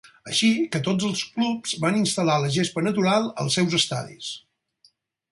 Així que tots els clubs van instal·lar la gespa natural als seus estadis.